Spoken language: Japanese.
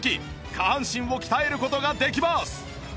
下半身を鍛える事ができます